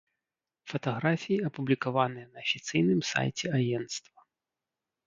Фатаграфіі апублікаваныя на афіцыйным сайце агенцтва.